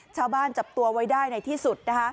ชาวบ้านจับตัวไว้ได้ในที่สุด